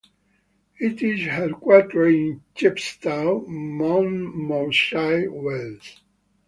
It is headquartered in Chepstow, Monmouthshire, Wales.